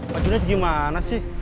pak junet gimana sih